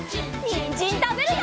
にんじんたべるよ！